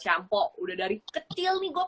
campo udah dari kecil nih gue